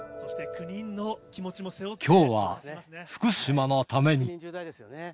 きょうは福島のために。